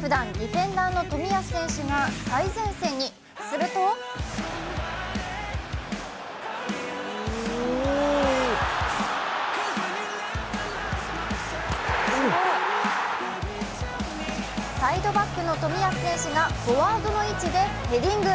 ふだん、ディフェンダーの冨安選手が最前線に、するとサイドバックの冨安選手が、フォワードの位置でヘディング。